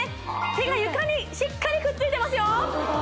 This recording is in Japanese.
手が床にしっかりくっついてますよ